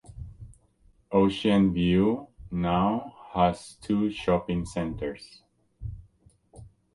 Ocean View now has two shopping centers.